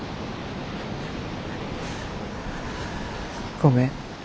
ごめん